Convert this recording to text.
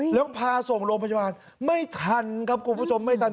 แล้วพาส่งโรงพยาบาลไม่ทันครับคุณผู้ชมไม่ทัน